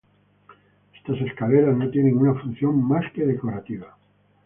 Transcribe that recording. Estas escaleras no tienen una función más que decorativa.